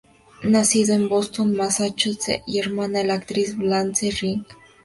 Nacido en Boston, Massachusetts, su hermana era la actriz Blanche Ring.